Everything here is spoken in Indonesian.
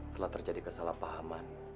telah terjadi kesalahpahaman